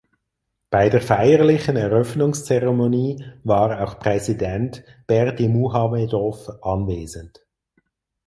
Bei der feierlichen Eröffnungszeremonie war auch Präsident Berdimuhamedow anwesend.